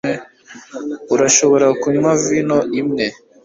urashobora kunywa vino imwe